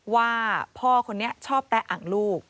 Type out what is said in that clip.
ว่าพ่อคนนี้ชอบแตะอังลูก